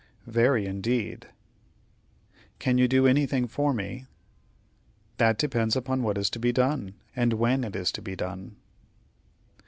"Very, indeed." "Can you do anything for me?" "That depends upon what is to be done, and when it is to be done."